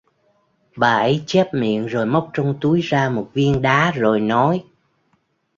bà ấy chép miệng rồi móc trong túi ra một viên đá rồi nói